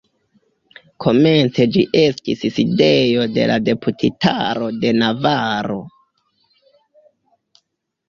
Komence ĝi estis sidejo de la Deputitaro de Navaro.